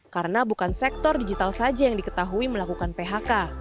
karena bukan sektor digital saja yang diketahui melakukan phk